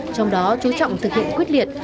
trong đó chú trọng thực hiện quyết liệt